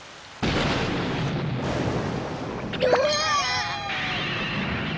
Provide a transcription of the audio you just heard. うわ！